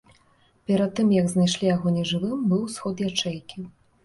Перад тым, як знайшлі яго нежывым, быў сход ячэйкі.